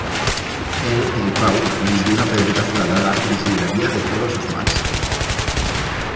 Él, educau, lis dio una pedreta foradada que lis libraría de todos os mals.